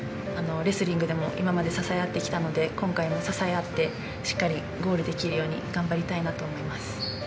レスリングでも今まで支え合ってきたので、今回も支え合って、しっかりゴールできるように頑張りたいなと思います。